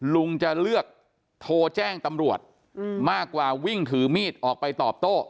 ลุงจะเลือกโทรแจ้งตำรวจมากกว่าวิ่งถือมีดออกไปตอบโต้